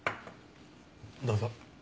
どうぞ。